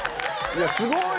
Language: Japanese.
すごーい！